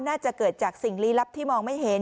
น่าจะเกิดจากสิ่งลี้ลับที่มองไม่เห็น